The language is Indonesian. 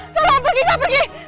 tolong pergi gak pergi